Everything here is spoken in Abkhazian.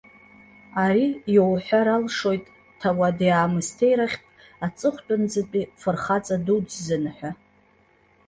Ари, иуҳәар алшоит, ҭауади-аамсҭеи рахьтә аҵыхәтәанӡатәи фырхаҵа дуӡӡан ҳәа.